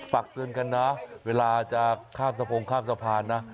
ฝากเตือนกันนะเวลาจะข้ามสะโพงข้ามสะพานนะ